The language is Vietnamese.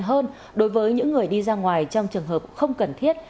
hơn đối với những người đi ra ngoài trong trường hợp không cần thiết